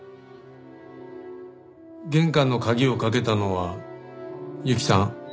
玄関の鍵をかけたのは雪さん？